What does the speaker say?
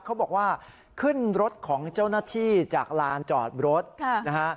เขาบอกว่าขึ้นรถของเจ้าหน้าที่จากลานจอดรถนะฮะ